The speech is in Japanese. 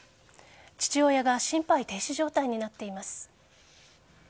父親が心肺停止状態になっています。